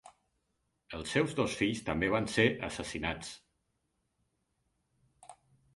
Els seus dos fills també van ser assassinats.